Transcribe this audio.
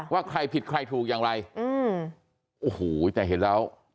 ว่าใครผิดใครถูกอย่างไรอืมโอ้โหแต่เห็นแล้ว